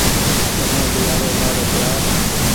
تني ٻولآوي مآرو پيآر۔